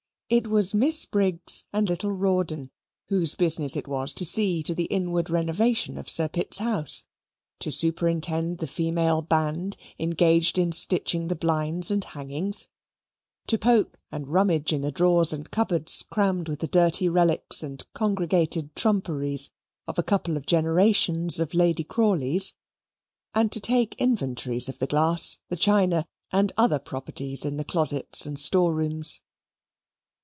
It was Miss Briggs and little Rawdon, whose business it was to see to the inward renovation of Sir Pitt's house, to superintend the female band engaged in stitching the blinds and hangings, to poke and rummage in the drawers and cupboards crammed with the dirty relics and congregated trumperies of a couple of generations of Lady Crawleys, and to take inventories of the china, the glass, and other properties in the closets and store rooms.